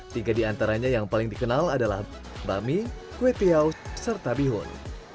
tiga diantaranya yang paling dikenal adalah bami kue tiaw serta bihun